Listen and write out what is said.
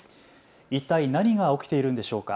一体何が起きているんでしょうか。